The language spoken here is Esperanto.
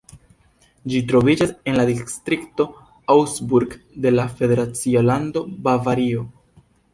Ĝi troviĝas en la distrikto Augsburg de la federacia lando Bavario.